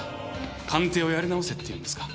鑑定をやり直せっていうんですか？